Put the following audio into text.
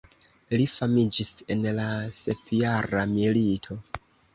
Li famiĝis en la sepjara milito.